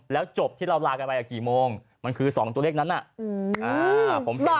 แล้วจบที่เราลากันไปกับกี่โมงมันคือสองตัวเลขนั้นอ่ะอืมอ่า